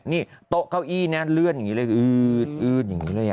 นี่โต๊ะเก้าอี้นะเลื่อนอย่างนี้เลยอืดอย่างนี้เลย